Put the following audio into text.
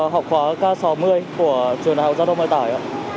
học khóa k sáu mươi của trường đại học giao thông vận tải